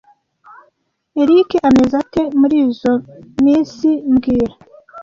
Eric ameze ate murizoi minsi mbwira